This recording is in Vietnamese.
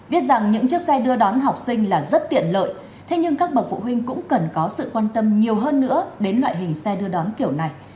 biết rằng những chiếc xe đưa đón học sinh là rất tiện lợi thế nhưng các bậc phụ huynh cũng cần có sự quan tâm nhiều hơn nữa đến loại hình xe đưa đón kiểu này